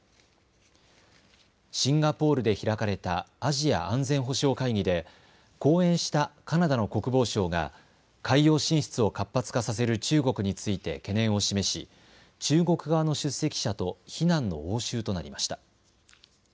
シンガポールで開かれたアジア安全保障会議で講演したカナダの国防相が海洋進出を活発化させる中国について懸念を示し中国側の出席者と非難の応酬となりました。